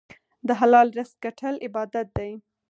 د حلال رزق ګټل عبادت دی.